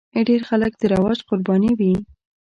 ډېر خلک د رواج قرباني وي.